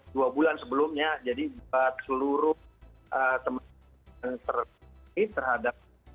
dua bulan sebelumnya jadi buat seluruh teman teman terhadap